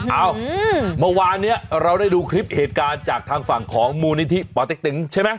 เอ้าเมื่อวานนี้เราได้ดูคลิปเหตุการณ์จากทางฝั่งของมูลนิธิป่อเต็กตึงใช่ไหม